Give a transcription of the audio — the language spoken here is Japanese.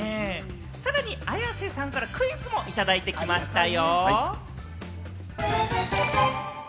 さらに綾瀬さんからクイズもいただいてきましたよ。